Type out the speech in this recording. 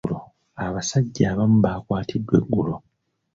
Abasajja abamu baakwatiddwa eggulo.